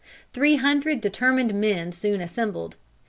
Three hundred determined men soon assembled.